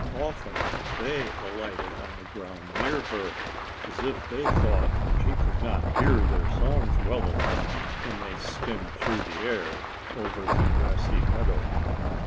Often they alighted on the ground near her, as if they thought she could not hear their songs well enough when they skimmed through the air over the grassy meadow.